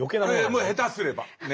ええ下手すればね。